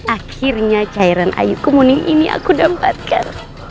akhirnya cairan ayu kumuning ini aku dapatkan